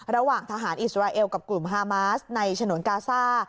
ระหว่างทหารอิสราเอลกับกลุ่มฮามาสในฉนวนกาซ่า